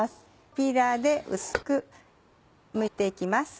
ピーラーで薄くむいていきます。